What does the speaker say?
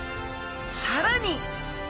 さらに！